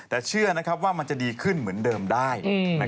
แต่เชื่อว่ามันจะดีขึ้นเหมือนเดิมได้